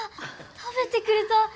食べてくれた！